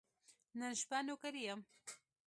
نن شپه نوکري یم .